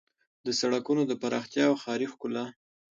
د سړکونو د پراختیا او د ښاري ښکلا